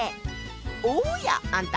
おやあんた